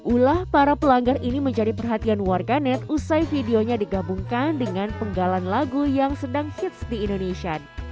ulah para pelanggar ini menjadi perhatian warganet usai videonya digabungkan dengan penggalan lagu yang sedang hits di indonesia